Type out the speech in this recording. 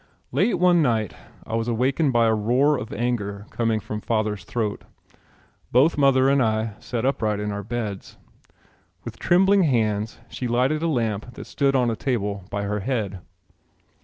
Late one night I was awakened by a roar of anger coming from father's throat. Both mother and I sat upright in our beds. With trembling hands she lighted a lamp that stood on a table by her head.